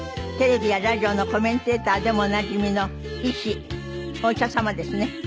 テレビやラジオのコメンテーターでもおなじみの医師お医者様ですね。